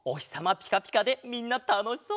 ピカピカでみんなたのしそう！